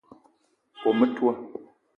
Kome metoua